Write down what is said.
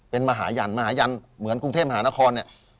เป็นมหายันมหายันเหมือนกรุงเทพมหานครเนี่ย